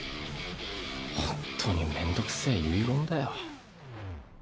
ほんとにめんどくせぇ遺言だよ。